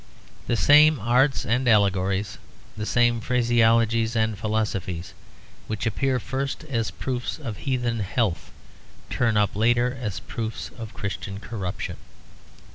The same arts and allegories, the same phraseologies and philosophies, which appear first as proofs of heathen health turn up later as proofs of Christian corruption.